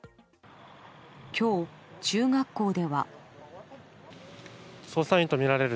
今日、中学校では。